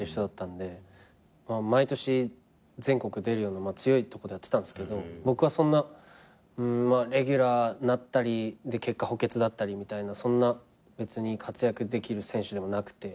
毎年全国出るような強いとこでやってたんすけど僕はレギュラーなったり結果補欠だったりみたいなそんな別に活躍できる選手でもなくて。